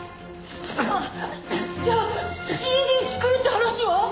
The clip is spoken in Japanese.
あっじゃあＣＤ作るって話は？